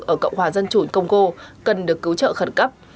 ở cộng hòa dân chủ công cô cần được cứu trợ khẩn cấp